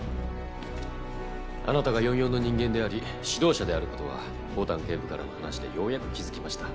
あなたが４４の人間であり指導者である事は牡丹警部からの話でようやく気づきました。